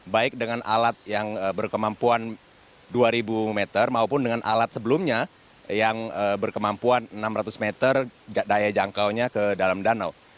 baik dengan alat yang berkemampuan dua ribu meter maupun dengan alat sebelumnya yang berkemampuan enam ratus meter daya jangkaunya ke dalam danau